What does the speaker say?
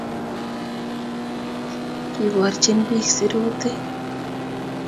Kiborjin bik Sirutik